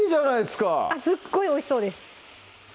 すっごいおいしそうです